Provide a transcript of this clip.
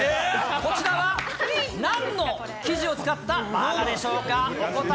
こちらはなんの生地を使ったバーガーでしょうか。